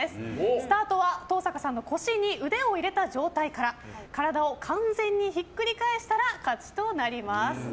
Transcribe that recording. スタートは登坂さんの腰に腕を入れた状態から体を完全にひっくり返したら勝ちとなります。